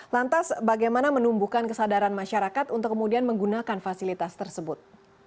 lantas bagaimana menumbuhkan kesadaran masyarakat untuk kemudian menggunakan fasilitas tersebut